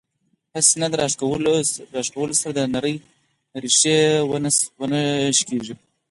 او هسې نه د راښکلو سره دا نرۍ ريښې ونۀ شليږي